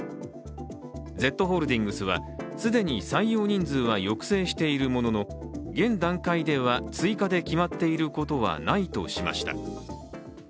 Ｚホールディングスは既に採用人数は抑制しているものの現段階では追加で決まっていることはないとしました。